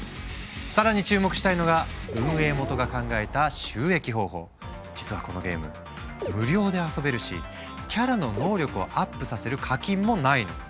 更に注目したいのが実はこのゲーム無料で遊べるしキャラの能力をアップさせる課金もないの。